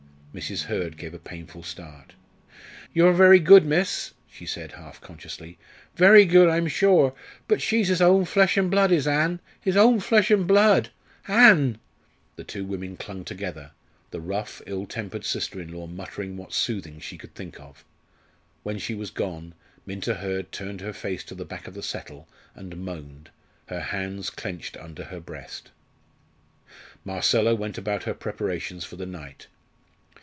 Mrs. Hurd gave a painful start. "You're very good, miss," she said half consciously, "very good, I'm sure. But she's his own flesh and blood is Ann his own flesh and blood. Ann!" The two women clung together, the rough, ill tempered sister in law muttering what soothing she could think of. When she was gone, Minta Hurd turned her face to the back of the settle and moaned, her hands clenched under her breast. Marcella went about her preparations for the night.